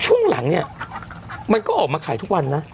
ช่วงหลังเนี่ยมันก็ออกมาขายทุกวันนะ